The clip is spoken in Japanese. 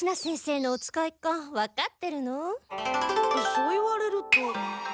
そう言われると。